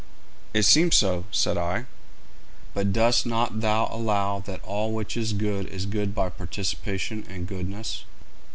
'It seems so,' said I. 'But dost not thou allow that all which is good is good by participation in goodness?'